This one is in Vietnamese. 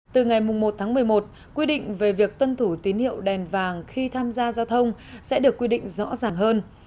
từ ngày một tháng một mươi một quy định về việc tuân thủ tín hiệu đèn vàng khi tham gia giao thông sẽ được quy định rõ ràng hơn